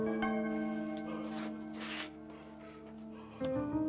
bukan dia pencuri yang kalian maksud